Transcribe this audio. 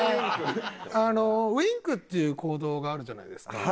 あのウィンクっていう行動があるじゃないですか。